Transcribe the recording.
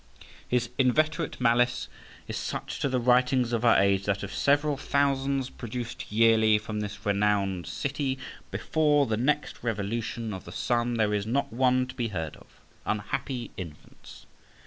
His inveterate malice is such to the writings of our age, that, of several thousands produced yearly from this renowned city, before the next revolution of the sun there is not one to be heard of. Unhappy infants!